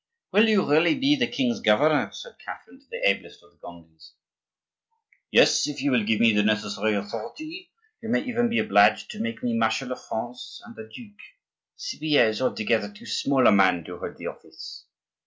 "Will you really be the king's governor?" said Catherine to the ablest of the Gondis. "Yes, if you will give me the necessary authority; you may even be obliged to make me marshal of France and a duke. Cypierre is altogether too small a man to hold the office.